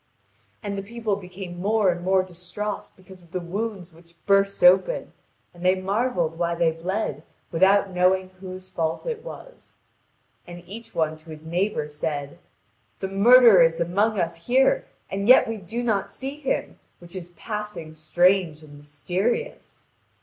And the people became more and more distraught because of the wounds which burst open, and they marvelled why they bled, without knowing whose fault it was. And each one to his neighbour said: "The murderer is among us here, and yet we do not see him, which is passing strange and mysterious."